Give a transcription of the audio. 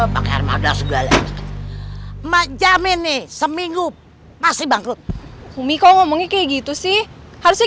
pakai armada segala mak jamin nih seminggu masih bangkrut umiko ngomongnya kayak gitu sih harusnya